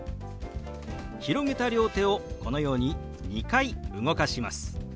広げた両手をこのように２回動かします。